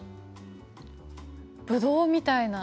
ぶどうみたいな。